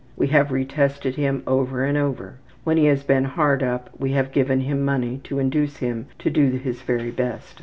We have retested him over and over. (When he has been hard up we have given him money to induce him to do his very best.)